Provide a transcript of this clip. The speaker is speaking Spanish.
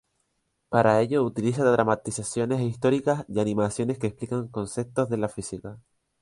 Para ello utiliza dramatizaciones históricas y animaciones que explican conceptos de la física.